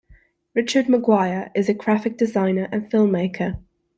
Richard McGuire is a graphic designer and filmmaker.